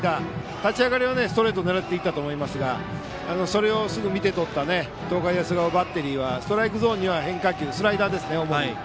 立ち上がりはストレートを狙っていたと思いますがそれを見て取った東海大菅生のバッテリーはストライクゾーンには変化球スライダーですね、主に。